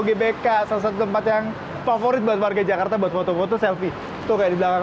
di sini ada tempat yang menarik seperti di belakang